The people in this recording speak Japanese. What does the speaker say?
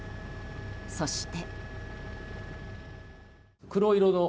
そして。